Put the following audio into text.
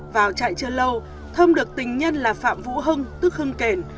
vào chạy chưa lâu thơm được tình nhân là phạm vũ hưng tức hưng kền